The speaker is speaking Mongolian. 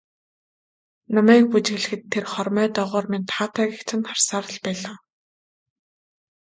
Намайг бүжиглэхэд тэр хормой доогуур минь таатай гэгч нь харсаар л байлаа.